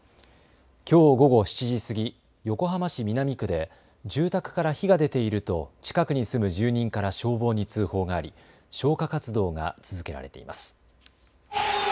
きょう午後７時過ぎ、横浜市南区で住宅から火が出ていると近くに住む住人から消防に通報があり消火活動が続けられています。